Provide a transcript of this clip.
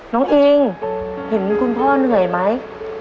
อิงเห็นคุณพ่อเหนื่อยไหม